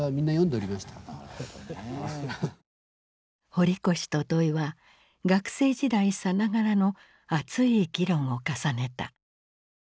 堀越と土井は学生時代さながらの熱い議論を重ねた。